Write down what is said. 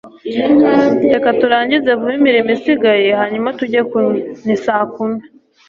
reka turangize vuba imirimo isigaye hanyuma tujye kunywa.ni saa kumi